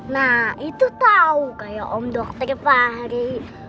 nah itu tau kayak om dokter fahri